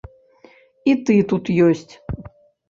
І ты тут ёсць!